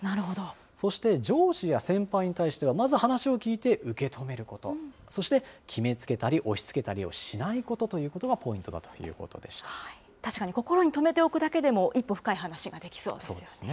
そして上司や先輩に対しては、まず話を聞いて受け止めること、そして決めつけたり押しつけたりをしないということというのがポ確かに心に留めておくだけでそうですね。